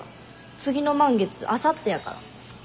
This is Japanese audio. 次の満月あさってやから。